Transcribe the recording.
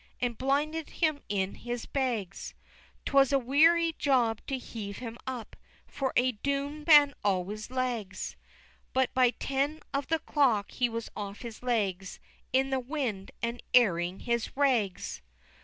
And blinded him in his bags; 'Twas a weary job to heave him up, For a doom'd man always lags; But by ten of the clock he was off his legs In the wind and airing his rags!